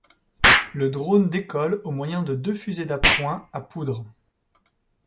Le drone décolle au moyen de deux fusées d'appoint à poudre.